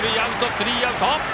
スリーアウト。